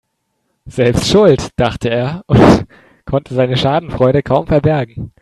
"Selbst schuld", dachte er und konnte seine Schadenfreude kaum verbergen.